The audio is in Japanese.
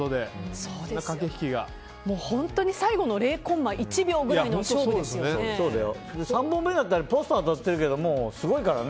本当に最後の０コンマ１秒くらいの３本目だってポストに当たってるけどもうすごいからね。